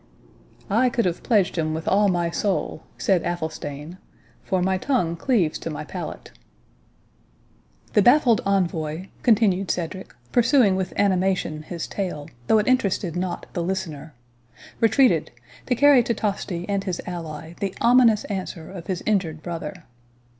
"I could have pledged him with all my soul," said Athelstane, "for my tongue cleaves to my palate." "The baffled envoy," continued Cedric, pursuing with animation his tale, though it interested not the listener, "retreated, to carry to Tosti and his ally the ominous answer of his injured brother.